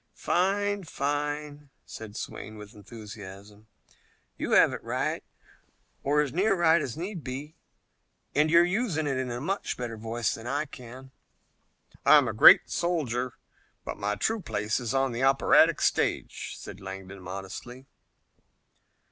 "Fine! Fine!" said Swayne with enthusiasm. "You have it right, or as near right as need be, and you're using it in a much better voice than I can." "I'm a great soldier, but my true place is on the operatic stage," said Langdon modestly.